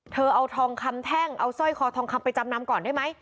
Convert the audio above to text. เอาทองคำแท่งเอาสร้อยคอทองคำไปจำนำก่อนได้ไหม